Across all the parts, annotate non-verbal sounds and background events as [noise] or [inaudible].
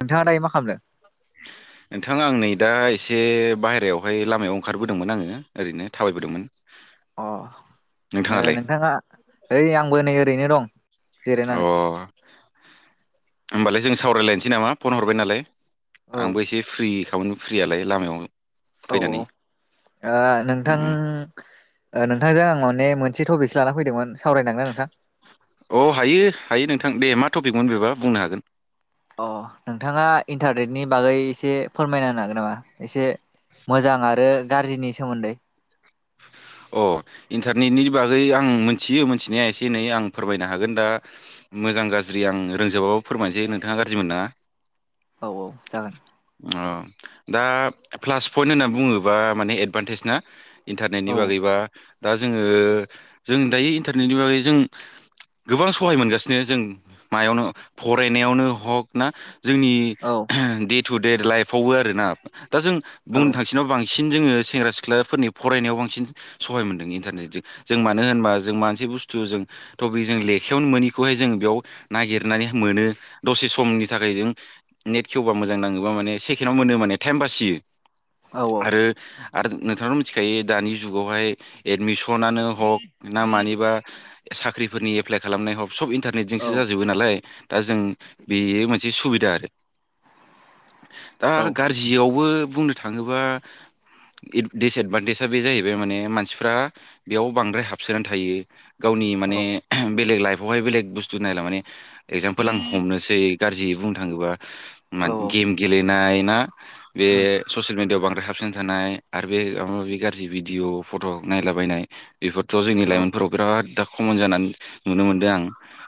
नोंथाङा दायो मा खालामदों? [inaudible] नोंथां आं नै दा एसे बाहेरायावहाय लामायाव ओंखारबोदोंमोन आङो ओरैनो थाबायबोदोंमोन। ओ नोंथाङालाय नोथाङा ओइ आंबो नै ओरैनो दं। अ जिरायनानै होमबालाय जों सावरायलायनोसै नामा फन हरबाय नालाय? औ आंबो एसे फ्रि खामोन फ्रियालाय लामायाव औ औ फैनानै ओ नोंथां उम ओ नोंथांजों आं माने मोन से टपिकसो लाना फैदोंमोन सावरायनांगोन नोंथां? अ हायो हायो नों थां दे मा टपिकमोन बेबा बुंनो हागोन। अ नोंथाङा इन्टारनेटनि बागै एसे फोरमायना होनो हागोन नामा एसे मोजां आरो गाज्रिनि सोमोन्दै‌। अ इन्टारनेटनि बागै आं मोनथियो मोनथिनाया एसे एनै आं फोरमायनो हागोन दा मोजां गाज्रि आं रोंजोबाबो फोरमायनोसै नोंथाङा गाज्रि मोननाङा औ औ जागोन। अ दा प्लास पइन्ट होनना बुङोबा माने एदभान्टेज ना? इन्टारनेटनि औ बागै दा दा जोङो जों दायो इन्टारनेटनि बागै जों गोबां सहाय मोनगासिनो जों मायावनो फरायनायावनो हक ना जोंनि औ दे टु दे लाइफावबो आरोना दा जों औ बुंनो थांसिन बां सिन जोङो सेंग्रा सिख्लाफोरनि फरायनायाव बांसिन सहाय मोनदों इन्टारनेटजों जों मानो होनबा जों मानसि बुस्थु जोंथ बि जों लेखायावनो मोनिखौहाय जों बेयाव नागिरनानै मोनो दसे समनि थाखाय जों नेट खेवबा मोजां नाङोबा माने सेकेण्डावनो मोनो माने टाइम बासियो औ आरो आरो नोंथाङाथ मिथिखायो दानि जुगावहाय एडमिस सनानो हक ना मानिबा साख्रिफोरनि एप्लाइ खालामनाय हक‌ सब औ इन्टारनेटजोंसो जाजोबो नालाय दा जों बेयो मोनसे सुबिदा आरो दा औ गाज्रियावबो बुंनो थाङोबा इथ दिसेद बाददेसा बे जाहैबाय बे माने मानसि फ्रा बेयाव बांद्राय हाबसोनानै थायो। गावनि माने बेलेग लाइफ बहाय बेलेग बुस्थु नायला माने एगजामफोल आं हमनोसै गाज्रियै बुंनो थाङोबा औ मान औ गेम गेलेनाय ना? बे उम स'सियेल मिडियाव बां ओ हाबसोना थानाय आरो बे माबा माबि गाज्रि भिडिअ' फट'ख नायलाबायनाय बेफोरथ' जोंनि औ लाइमोनफोराव बिराद दाख खमन जानानै नुनो मोनदों आं।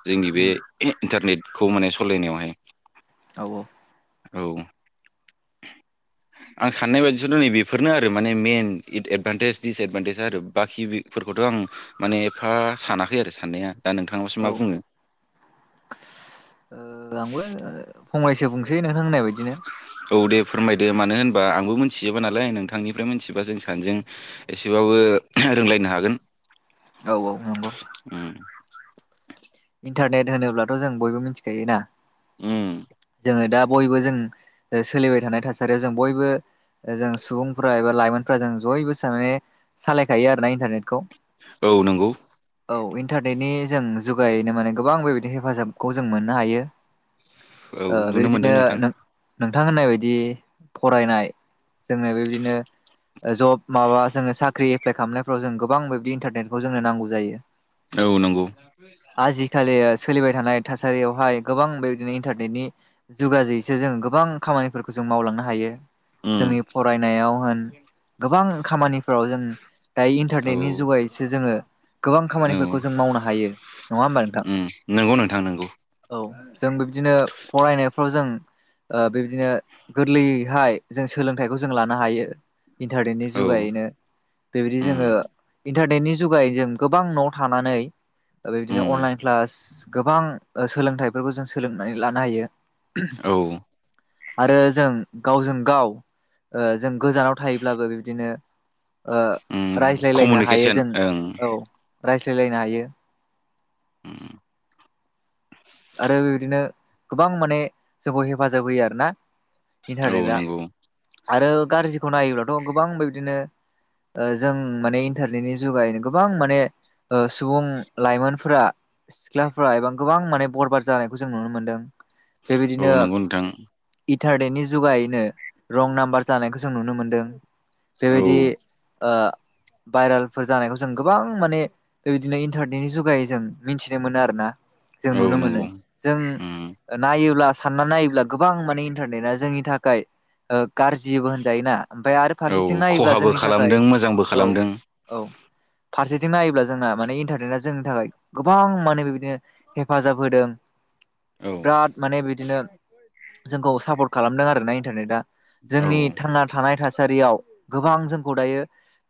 जोंनि बे उम इन्टारनेटखौ माने सलायनायावहाय औ औ औ आं साननाय बायदिबाथ नैबेफोरनो आरो माने मेन इथ एदभान्टेज दिस एदभान्टेजया आरो बाखि बिफोरखौथ' आं माने एफा सानाखै आरो साननाया। दा नोंथाङाबासो मा औ ओ बुङो आंबो फंनैसो बुंसै नों होननाय बायदिनो। औ दे फोरमायदो मानो होनबा आंबो मिथिजोबा नालाय नोंथांनिफ्राय मिथिबा जों सानैजों एसेबाबो रोंलायनो हागोन। औ औ नंगौ। उम इन्टारनेट होनोब्लाथ' जों बयबो मिथिखायो ना? उम ओ दा बयबो जों ओ सोलिबाय थानाय थासारियाव जों बयबो ओ जों सुबुंफ्रा एबा लाइमोनफ्रा जों जयबो [unintelligible] सालायखायो आरोना इन्टारनेटखौ। औ नंगौ। औ इन्टारनेटनि जों जुग गायैनो माने गोबां बेबायदि हेफाजाबखौ जों मोननो हायो। औ ओ नुनो मोनदों बेबायदिनो नोंथां। नों नोंथां होननाय बायदि फरायनाय जोंना बेबायदिनो ओ ज'ब माबा जोङो साख्रि एप्लाय खालामनायफ्राव जों गोबां बेबायदि इन्टारनेटखौ जोंनो नांगौ जायो। औ नंगौ। आजि खालि ओ सोलिबाय थानाय थासारियावहाय गोबां बेबायदिनो इन्टारनेटनि जुगाजैसो जों गोबां खामानिफोरखौ जों मावलांनो हायो। उम जोंनि फरायनायाव होन गोबां खामानि फोराव जों दायो औ इन्टारनेटनि जुगायैसो जोङो गोबां खामानिफोरखौ जों मावनो हायो। नङा होमबा नोंथां उम नंगौ नोंथां नंगौ। औ जों बिब्दिनो फरायनायफ्राव जों ओ बिबादिनो गोरलैयैहाय जों सोलोंथाइखौ जों लानो हायो। इन्टारनेटनि औ जुगायैनो बेबादि उम जोङो इन्टारनेटनि जुगायै जों गोबां न'आव थानानै उम बेबायदिनो अनलाइन क्लास गोबां ओ सोलोंथाइफोरखौ जों सोलोंनानै लानो हायो। औ आरो जों गावजोंगाव ओ जों गोजावनाव थायोब्लाबो बिदिनो ओ उम रायज्लायलायनो हायो कमिउनिकेसन जों ओं औ रायज् ज्लायनो हायो। उम। आरो बिबायदिनो गोबां माने जोंखौ हेफाजाब होयो आरो ना। औ इन्टारनेटआ नंगौ आरो गारजि खौ नायोब्लाथ' गोबां बेबादिनो ओ जों माने इन्टारनेटनि जुगायैनो गोबां माने सुबुं लाइमोनफोरा सिख्लाफ्रा एबा गोबां माने बरबार जानायखौ जों नुनो मोन्दों। औ नंगौ नोंथां। इन्टारनेटनि जुगायैनो रं नाम्बार जानायखौ जों नुनो मोन दों औ बेबायदि ओ भाइरेलफोर जानायखौ जों गोबां माने बेबायदिनो इन्टारनेटनि जुगायै जों मिथिनो मोनो आरो ना। जों औ नुनो मोनो नंगौ जों उम नायोब्लास सानना नायोब्ला गोबां माने इन्टारनेटआ जोंनि थाखाय ओ गारजिबो होनजायोना ओमफाय आरो औ फारसेथिं नायोब्ला खहाबो जोंनि थाखाय खालामदों मोजांबो औ खालामदों औ। फारसेथिं नायोब्ला जोंना माने इन्टारनेटआ जोंनि थाखाय गोबां माने बेबायदिनो हेफाजाब होदों। औ बिराद माने बिदिनो जोंखौ सापर्ट खालामदों आरो ना इन्टारनेटआ। औ जोंनि थांना थानाय थास सारियाव गोबां जोंखौ दायो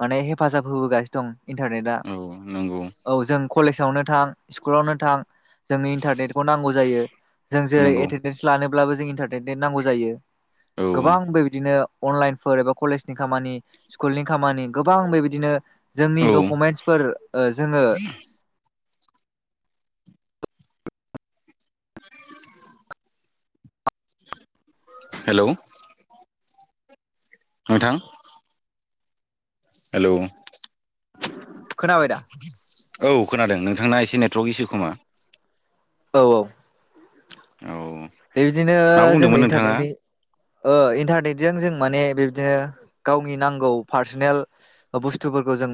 माने हेफाजाब होबोगासिनो दं। इन्टारनेटआ औ नंगौ औ जों कलेजावनो थां स्कुलावनो थां जोंनो इन्टारनेटखौ नांगौ जायो जों जेरै नंगौ एटेनडेन्स लानोब्लाबो जोंनि एटेन्डेन्ट नांगौ जायो। औ गोबां बेबायदिनो अनलाइनफोर एबा कलेजनि खामानि स्कुलनि खामानि गोबां बेबायदिनो जोंनि औ डकुमेन्टसफोर जोङो [inaudible] हेलौ नोंथां हेलौ खोनाबायदा? औ खोनादों नोंथांना एसे नेटवारर्क इसु खोमा? औ औ। औ बेबायदिनो मा जोङो बुंदोंमोन नोंथाङा इन्टारनेटनि इन्टारनेटजों जों माने बिबदिनो गावनि नांगौ पार्सनेल बुस्थुफोरखौ जों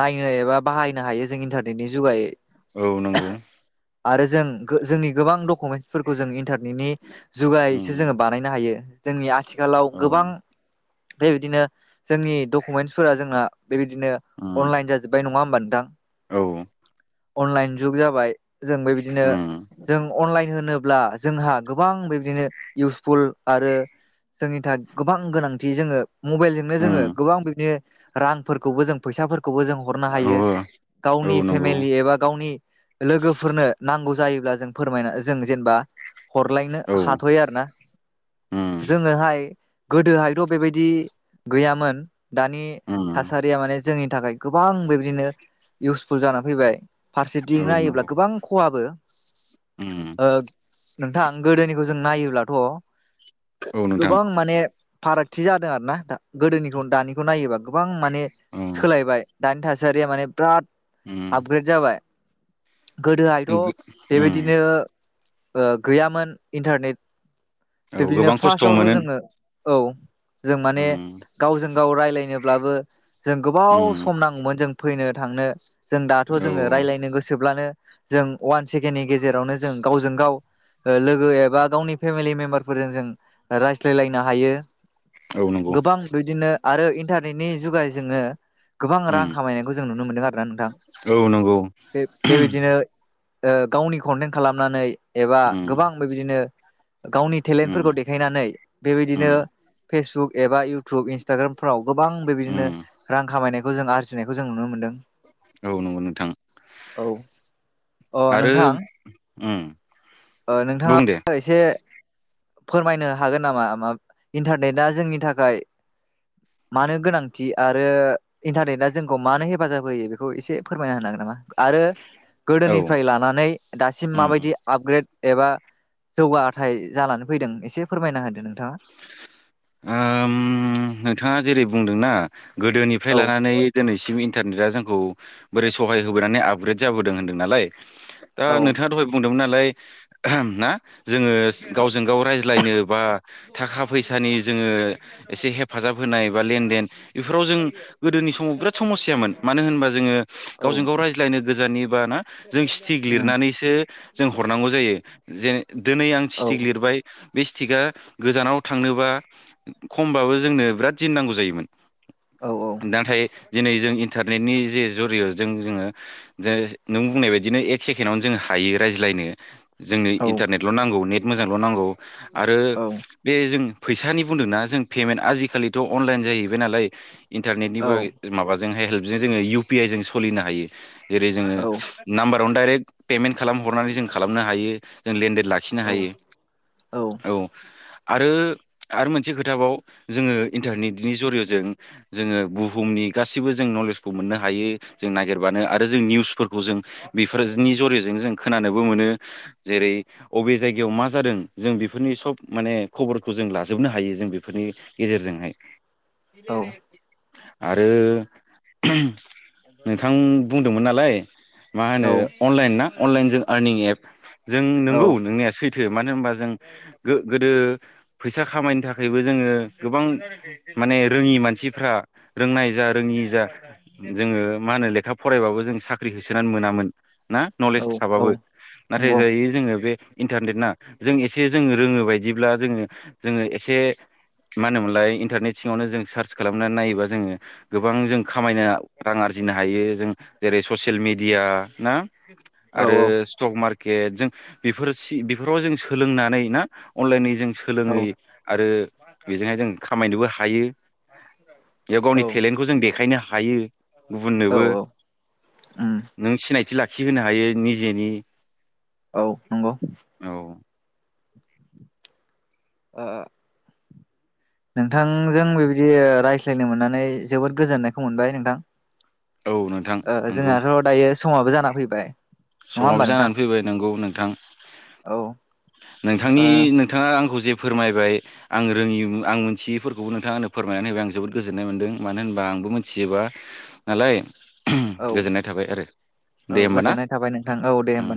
नायनो एबा बाहायनो हायो जों इन्टारनेटनि जुगायै औ नंगौ। आरो जों जोंनि गोबां डकुमेन्टसफोरखौ जों इन्टरनेट नि जुगायैसो उम जोङो बानायनो हायो जोंनि आथिखालाव औ गोबां बिदिनो जोंनि डकुमेन्टसफोरा जोंना बेबायदिनो उम अनलाइन जाजोब्बाय नङा होमबा नोंथां। औ। अनलाइन जुग जाबाय। जों बेबायदिनो उम जों अनलाइन होनो अब्ला जोंहा गोबां बेबायदिनो इउसफुल आरो जोंनि थाखाय गोबां गोनांथि जोङो मबाइलजोंनो जोङो उम गोबां बिदिनो रांफोरखौबो जों फैसाफोर खौबो जों हरनो हायो औ गावनि औ नंगौ फेमिलि एबा गावनि लोगोफोरनो नांगौ जायोब्ला जों फोरमायना जों जेनेबा हरलायनो औ हाथ'यो आरो ना उम जोङो हाय गोदोहायथ' बेबायदि गैयामोन। दानि उम थासारिया माने जोंनि थाखाय गो बां बेबायदिनो इउस फुल जाना फैबाय। फारसेथिं औ नायोब्ला नंगौ गोबां खहाबो। उम ओ नोंथां गोदोनि जों नायोब्लाथ' औ नोंथां गोबां माने फारागथि जादों आर ना नोंथां। गोदोनिखौ दानिखौ नायोब्ला गोबां माने उम सोलायबाय दानि था सारिया माने बिराद उम आपग्रेड जाबाय। गोदोहायथ' उम बेबायदिनो ओ गैयामोन इन्टारनेट औ बिब्दिनो गोबां खस्थ' फार्स्टआवथ' मोनो जोङो औ जों माने उम गावजों-गाव रायज्लायनो ब्लाबो जों गोबाव उम सम नांगौमोन जों फैनो थांनो जों दाथ' औ जोङो रायज्लायनो गोसोब्लानो जों अवान सेकेणडनि गेजेरावनो जों गावजों-गाव ओ लोगो एबा गावनि फेमिलि मेम्बारफोरजों जों रायज्लायलायनो हायो। औ नंगौ गोबां बिदिनो आरो इन र्टानेदनि जुगाय जोंनो गोबां रां उम खामायनायखौ जों नुनो मोनदों आरोना नोंथां औ नंगौ बे-बेबायदिनो गावनि कनटेन्ट खालामनानै एबा उम गोबां बेबायदिनो गावनि उम टेलेन्टफोरखौ देखायनानै बेबायदिनो उम फेसबुक एबा इउटुब इन्स्टाग्रामफ्राव गोबां बेबायदिनो उम रां खामायनाय खौ जों आरजिनायखौ जों नुनो मोनदों औ नंगौ नोंथां औ अ आरो नोंथां ओम नोंथाङा एसे फोरमायनो हागोन नामा मा इन्टारनेटआ जोंनि थाखाय मानो गोनांथि आरो इन्टारनेटआ जोंखौ मानो हेफाजाब होयो बेखौ एसे फोरमायना होनो हागोन नामा आरो औ गोदोनिफ्राय लानानै दासिम उम माबायदि आपग्रेड एबा जौगाथाय जानानै फैदों एसे फोरमायना होदो नोंथाङा नोंथाङा जेरै बुंदोंना गोदोनिफ्राय औ लानानै दिनैसिम इन्टारनेटआ जोंखौ बोरै सहाय होबोनानै आपग्रेड जाबोदों होनदों नालाय दा औ नोंथाङा दहाय बुंदोंमोन आरो [unintelligible] जोङो गावजों- गाव रायज्लायनो बा थाखा फैसानि जोङो एसे हेफाजाब होनाय बा लेनदेन बेफोराव जों गोदोनि समाव बिराद समस्यामोन मानो होनबा जोङो औ गावजों -गाव रायज्लायनो गोजाननि बा ना जों सिथिक उम लिरनानैसो जों हरनांगौ जायो जेन दिनै आं औ चिटिक लिरबाय बे सिथिकआ गोजानाव थांनोबा खमबाबो जोंनो बिराद दिन नांगौ जायोमोन। औ औ नाथाय दिनै जों इन्टारनेटनि जे जरिय'जों जोङो नों बुंनाय बायदिनो एक सेकेणडआवनो जों हायो रायज्लायनो। जोंनो औ इन्टारनेटल' नांगौ नेट मोजांल' नांगौ आरो बे जोङो फैसानि बुंदोंना जों पेमेन्ट आजिखालिथ' अनलाइन जाहैबाय नालाय इन्टारनेटनि औ [unintelligible] माबाजों हाय हेल्प बिजों जोङो इउ पि आइ जों सोलिनो हायो। जेरै जोङो औ नाम्बार [unintelligible] दाइरेक पेमेंट खालामनानै जों खालामनो हायो ओ लेन देन औ औ [unintelligible] आरो -आरो मोनसे खोथाबाव जोङो इन्टारनेटनि जरिय'जों जोङो बुहुमनि गासैबो जों नलेजखौ मोननो हायो। जों नागिरबानो आरो जों निउसफोरखौ जों बेफोरनि जरिय'जों जों खोनानोबो मोनो जेरै अबे जायगायाव मा जादों जों बेफोरनि सब माने खबरखौ जों लाजोबनो हायो जों बेफोरनि गेजेरजोंहाय। [unintelligible] आरो नोंथां बुंदोंमोन नालाय मा औ होनो अनलाइन ना? अनलाइनजों आरनिं एप जों नोंगौ नोंनिया [unintelligible] [unintelligible] मानो होनबा जों गोदो फैसा खामायनो थाखायबो जोङो गोबां माने रोङि मानसिफ्रा रोंनाय जा रोङि जा जोङो मा होनो लेखा फरायबाबो जों साख्रि होसोनानै मोनामोन। ना औ नलेज औ थाबाबो नाथाय नंगौ जायो जोङो बे इन्टारनेट ना जों एसे जोङो रोङो बायदिब्ला जोङो जोङो एसे मा होनोमोनलाय इन्टारनेट सिङावनो जों सार्च खालामनानै नायोबा जोङो गोबां जों खामायनो रां आरजिनो हायो जों जेरै ससियेल मेडिया ना? औ आरो स्टक मार्के केट जों बेफोर सि बेफोराव जों सोलोंनानै ना अनलाइनि जों औ सोलोङै आरो बेजोंहाय जों खामायनोबो हायो। बेयाव गावनि औ टेलेन्टखौ जों देखायनो हा हायो। गुबुननोबो उम [inaudible] नों सिनायथि लाख खिहोनो हायो निजेनि। औ नंगौ। औ ओ [inaudible] नोंथांजों बेबायदि रायज्लायनो मोननानै जोबोद गोजोननायखौ मोनबाय नोंथां। औ नोंथां ओ नंगौ जोंहाथ' दायो समाबो जाना फै बाय। समाबो जानानै फैबाय नोंगौ नोंथां। औ ओ नोंथांनि औ नोंथाङा आंखौ जे फोरमायबाय आं रोङि आं मिथियिफोरखौबो नोंथां आनो फोरमायनानै होबाय आं जोबोद गोजोननाय मोन्दों। मानो होनबा आंबो मिथिजोबा नालाय। ओहोमक्षगोजोननाय थाबाय आरो। औ दे होमबा ना। गोजोननाय थाबाय नोंथां औ दे होमबाना